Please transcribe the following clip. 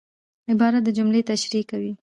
عبارت د جملې تشریح کوي.